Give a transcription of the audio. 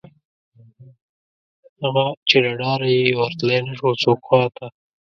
هغه، چې له ډاره یې ورتلی نشو څوک خواته